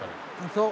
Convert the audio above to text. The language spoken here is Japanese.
そう。